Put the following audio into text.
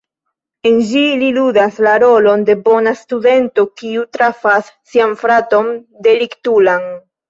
En ĝi li ludis la rolon de bona studento kiu trafas sian fraton deliktulan.